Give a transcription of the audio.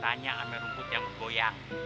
tanya ada rumput yang bergoyang